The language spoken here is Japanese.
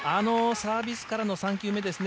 サービスからの３球目ですね。